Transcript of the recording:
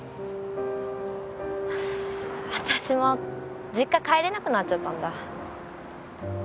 私も実家帰れなくなっちゃったんだ。